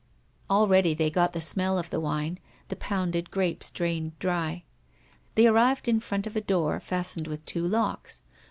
Already they got the smell of the wine, the pounded grapes drained dry. They arrived in front of a door fastened with two locks.